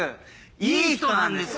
いい人なんですよ。